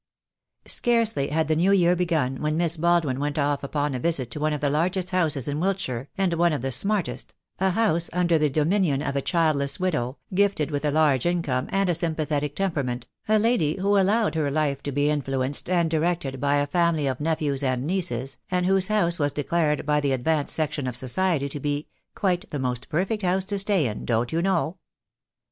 Scarcely had the New Year begun when Miss Baldwin went off upon a visit to one of the largest houses in Wiltshire, and one of the smartest, a house under the dominion of a childless widow, gifted with a large income and a sympathetic temperament, a lady who allowed her life to be influenced and directed by a family of nephews 310 THE DAY WILL COME. and nieces, and whose house was declared by the ad vanced section of society to be "quite the most perfect house to stay in, don't you know."